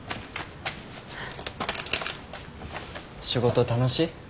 仕事楽しい？